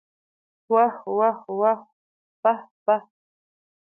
واه واه واه پاه پاه!